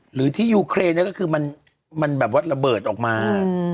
หรือที่ยูเครนเนี่ยก็คือมันแบบว่าระเบิดออกมา